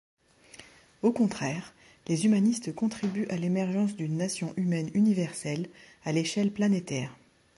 Au contraire, les humanistes contribuent à l'émergence d'une Nation humaine universelle, à l'échelle planétaire.